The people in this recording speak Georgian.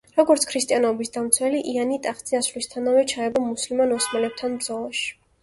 როგორც ქრისტიანობის დამცველი, იანი ტახტზე ასვლისთანავე ჩაება მუსულმან ოსმალებთან ბრძოლაში.